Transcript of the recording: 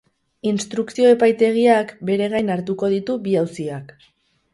Instrukzio epaitegiak bere gain hartuko ditu bi auziak.